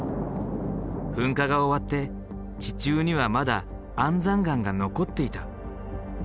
噴火が終わって地中にはまだ安山岩が残っていた。